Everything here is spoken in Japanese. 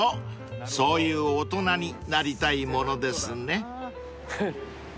［そういう大人になりたいものですね］